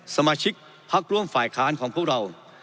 สมาชิกพักร่วมฝ่ายค้านของพวกเรา